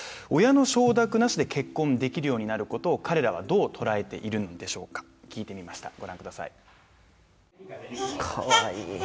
親の承諾なしで結婚できるようになることを彼らはどう捉えているんでしょうか聞いてみました。